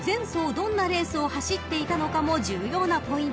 どんなレースを走っていたのかも重要なポイント］